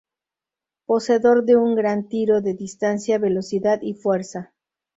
Poseedor de un gran tiro de distancia, velocidad y fuerza.